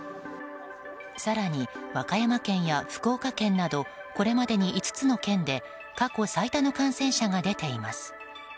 更に、和歌山県や福岡県などこれまでに５つの県で過去最多の感染者が出ています。